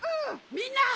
みんな！